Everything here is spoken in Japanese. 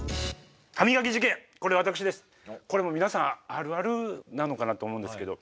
これも皆さんあるあるなのかなと思うんですけど。